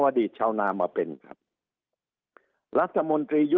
สุดท้ายก็ต้านไม่อยู่